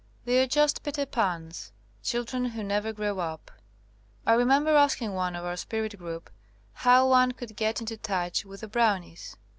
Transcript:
They are just Peter Pans — children who never grow up. '^I remember asking one of our spirit group how one could get into touch with the brownies.